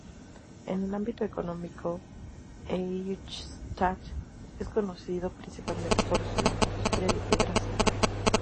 En el ámbito económico Eichstätt es conocido principalmente por su industria de piedra sillar.